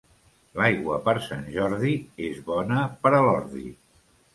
L'aigua per Sant Jordi és bona per a l'ordi.